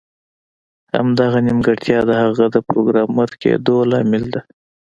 همدغه نیمګړتیا د هغه د پروګرامر کیدو لامل ده